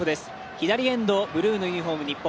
左エンド、ブルーのユニフォーム日本。